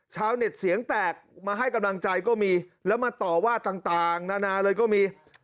ชาวเน็ตเสียงแตกมาให้กำลังใจก็มีแล้วมาต่อว่าต่างนานาเลยก็มี